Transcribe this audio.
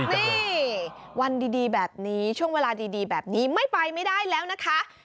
นี่วันดีแบบนี้ช่วงเวลาดีแบบนี้ไม่ไปไม่ได้แล้วนะคะ